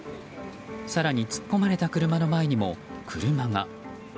更に、突っ込まれた車の前にも車が。